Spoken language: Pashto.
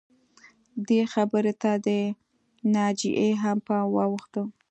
دې خبرې ته د ناجیې هم پام واوښته